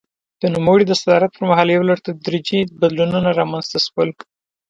د نوموړي د صدارت پر مهال یو لړ تدریجي بدلونونه رامنځته شول.